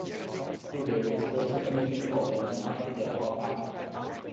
Today this person may be called an outfitter or packer.